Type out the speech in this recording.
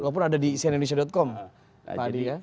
walaupun ada di cnindonesia com ya